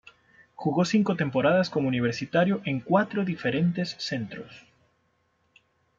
Jugó cinco temporadas como universitario en cuatro diferentes centros.